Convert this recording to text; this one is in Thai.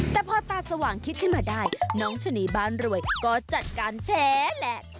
แต่พอตาสว่างคิดขึ้นมาได้น้องชะนีบ้านรวยก็จัดการแชร์แหละ